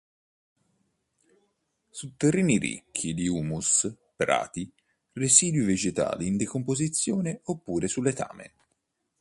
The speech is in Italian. Su terreni ricchi di humus, prati, residui vegetali in decomposizione oppure su letame.